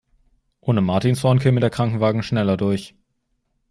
Ohne Martinshorn käme der Krankenwagen schneller durch.